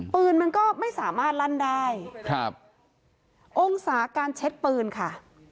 ปืนมันก็ไม่สามารถลั่นได้ครับองศาการเช็ดปืนค่ะ